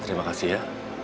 terima kasih ya